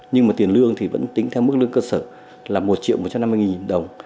nhưng mà tiền lương thì vẫn tính theo mức lương cơ sở là một triệu một trăm năm mươi đồng